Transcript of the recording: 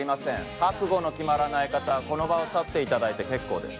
覚悟の決まらない方はこの場を去っていただいて結構です。